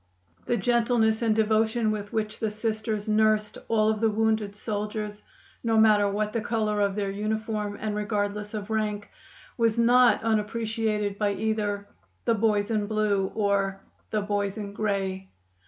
The gentleness and devotion with which the Sisters nursed all of the wounded soldiers, no matter what the color of their uniform and regardless of rank, was not unappreciated by either "the boys in blue" or "the boys in gray."